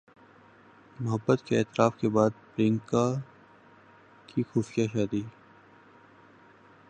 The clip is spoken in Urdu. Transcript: محبت کے اعتراف کے بعد پریانکا کی خفیہ شادی